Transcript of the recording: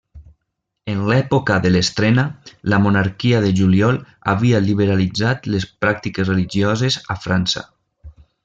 En l'època de l'estrena, la Monarquia de juliol havia liberalitzat les pràctiques religioses a França.